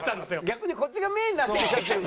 逆にこっちがメインになってきちゃってる。